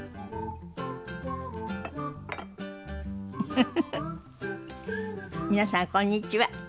フフフフ皆さんこんにちは。